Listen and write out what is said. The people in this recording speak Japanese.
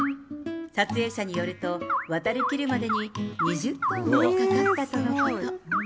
撮影者によると、渡りきるまでに２０分ほどかかったとのこと。